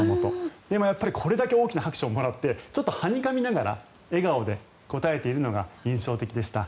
でもやっぱりこれだけ大きな拍手をもらってちょっとはにかみながら笑顔で応えているのが印象的でした。